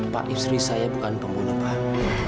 pak istri saya bukan pembunuh pak